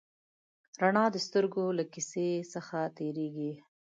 رڼا د سترګو له کسي څخه تېرېږي.